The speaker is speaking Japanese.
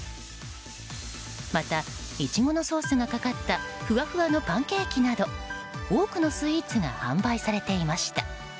また、イチゴのソースかかったふわふわのパンケーキなど多くのスイーツが販売されていました。